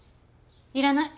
いらない。